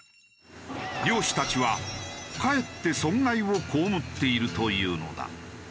漁師たちはかえって損害を被っているというのだ。